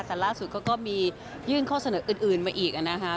แต่ล่าสุดก็มียื่นข้อเสนออื่นมาอีกนะคะ